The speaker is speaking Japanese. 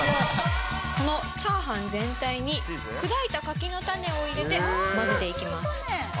このチャーハン全体に、砕いた柿の種を入れて混ぜていきます。